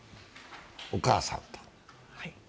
お母さんと。